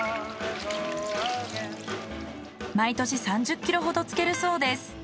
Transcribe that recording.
毎年３０キロほど漬けるそうです。